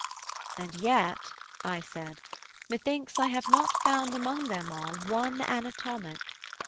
'And yet' I said 'Methinks I have not found among them all One anatomic.'